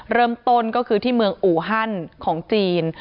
เริ่มต้นก็คือที่เมืองอูฮันของจีน